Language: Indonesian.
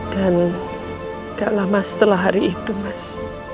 dan ga lama setelah itu mas